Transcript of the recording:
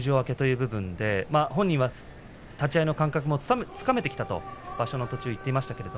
本人は立ち合いの感覚もつかめてきたと場所の途中で言っていました